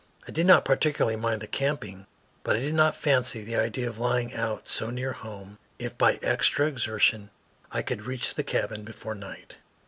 I did not particularly mind the camping, but I did not fancy the idea of lying out so near home if by extra exertion I could reach the cabin before night.